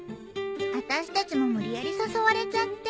私たちも無理やり誘われちゃって。